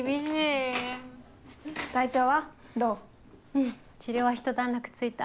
うん治療はひと段落ついた。